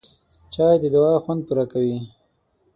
چای د دعا خوند پوره کوي